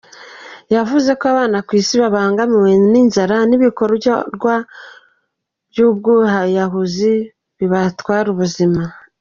Yavuzeko Abana kuri iy’isi babangamiwe n’inzara’ibikorwa by’ubwiyahuzi bibatwara ubuzima.